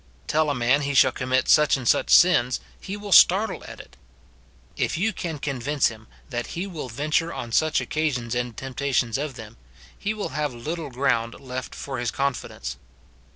Tell a man he shall commit such and such sins, he will startle at it. If you can convince him that he will venture on such occasions and temptations of them, he will have little ground left for his confidence.